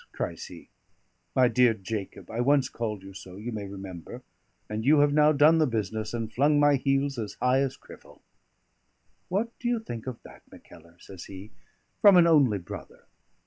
cries he "'My dear Jacob, I once called you so, you may remember; and you have now done the business, and flung my heels as high as Criffel.' What do you think of that, Mackellar," says he, "from an only brother?